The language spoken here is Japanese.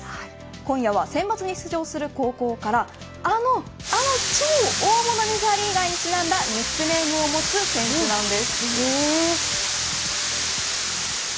今夜はセンバツに出場する高校からあの超大物メジャーリーガーにちなんだニックネームを持つ選手なんです。